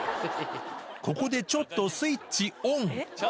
ここでちょっとスイッチオン。